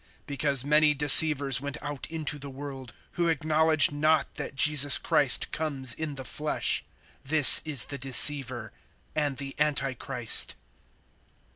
(7)Because many deceivers went out into the world, who acknowledge not that Jesus Christ comes in the flesh. This is the deceiver, and the antichrist.